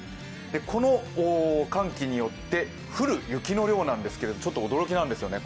この寒気によって降る雪の量がちょっと驚きなんですよね。